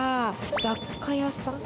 雑貨屋さん？